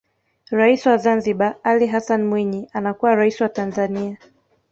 Rais wa Zanzibar Ali Hassan Mwinyi anakuwa Rais wa Tanzania